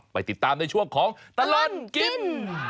ไปติดตามในช่วงของตลอดกิน